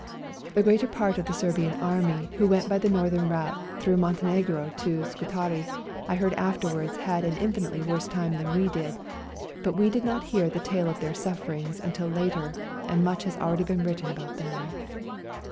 The greater part of the 158 ELBASAN Serbian Army who went by the northern route through Montenegro to Scutari I heard afterwards had an infinitely worse time than we did, but we did not hear the tale of their sufferings until later, and much has already been written about them.